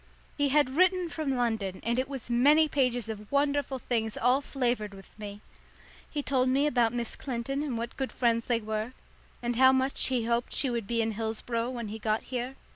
He had written from London, and it was many pages of wonderful things all flavoured with me. He told me about Miss Clinton and what good friends they were, and how much he hoped she would be in Hillsboro when he got here.